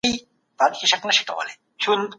د ښوونځیو د بیارغونې لپاره د مرستو صندق نه و.